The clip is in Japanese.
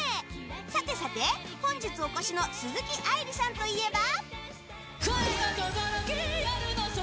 さてさて、本日お越しの鈴木愛理さんといえば。